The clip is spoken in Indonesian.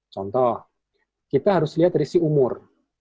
contoh kita harus lihat risih umur